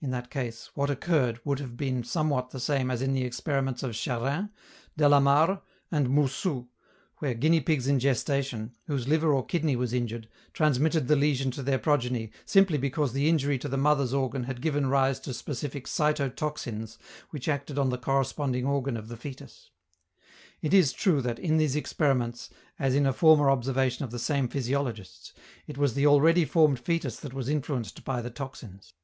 In that case, what occurred would have been somewhat the same as in the experiments of Charrin, Delamare, and Moussu, where guinea pigs in gestation, whose liver or kidney was injured, transmitted the lesion to their progeny, simply because the injury to the mother's organ had given rise to specific "cytotoxins" which acted on the corresponding organ of the foetus. It is true that, in these experiments, as in a former observation of the same physiologists, it was the already formed foetus that was influenced by the toxins.